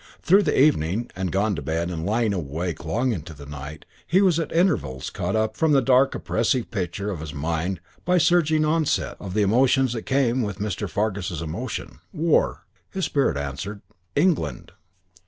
Through the evening, and gone to bed and lying awake long into the night, he was at intervals caught up from the dark and oppressive pictures of his mind by surging onset of the emotions that came with Mr. Fargus's emotion. War.... His spirit answered, "England!"